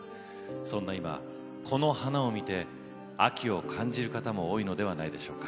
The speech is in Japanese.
そんな今、この花を見て秋を感じる方も多いのではないでしょうか。